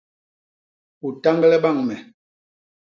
U tañgle bañ me.